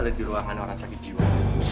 ada di ruangan orang sakit jiwa